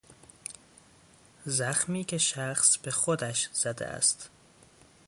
زخمی که شخص به خودش زده است